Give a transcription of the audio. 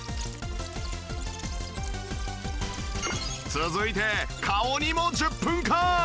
続いて顔にも１０分間。